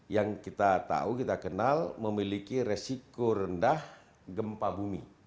yang kita tahu kita kenal memiliki resiko rendah gempa bumi